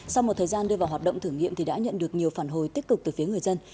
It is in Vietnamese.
sau một thời gian đưa vào hoạt động thử nghiệm thì đã nhận được nhiều phản hồi tích cực từ phía người dân